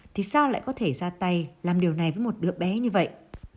thì sao lại có thể ra tay làm điều này với một đứa bé như vậy